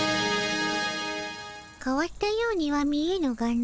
かわったようには見えぬがの。